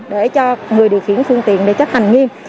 để cho người điều khiển phương tiện để chấp hành nghiêm